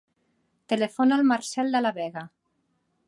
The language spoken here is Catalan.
Telefona al Marcèl De La Vega.